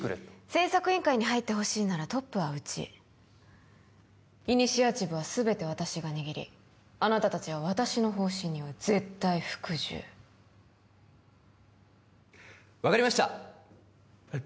製作委員会に入ってほしいならトップはうちイニシアチブはすべて私が握りあなた達は私の方針には絶対服従分かりましたえっ？